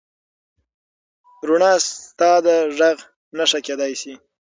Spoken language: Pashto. رڼا ستا د غږ نښه کېدی شي.